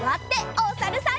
おさるさん。